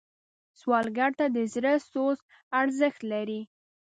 سوالګر ته د زړه سوز ارزښت لري